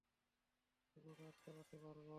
পুরো রাত চালাতে পারবো।